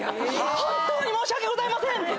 本当に申し訳ございませんって。